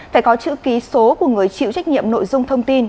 phải có chữ ký số của người chịu trách nhiệm nội dung thông tin